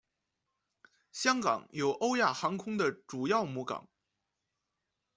香港有欧亚航空的主要母港。